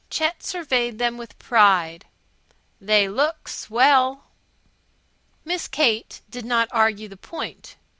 Chet surveyed them with pride. "They look swell." Miss Kate did not argue the point.